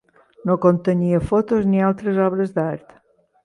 No contenia fotos ni altres obres d'art.